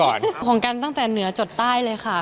ของกรรมอบของกรรมตั้งแต่เหนือจดใต้เลยค่ะ